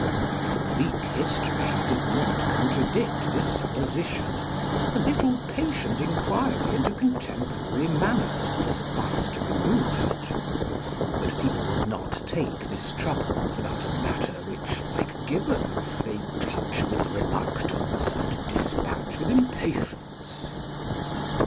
If Greek history did not contradict this supposition, a little patient enquiry into contemporary manners would suffice to remove it. But people will not take this trouble about a matter, which, like Gibbon, they "touch with reluctance and despatch with impatience."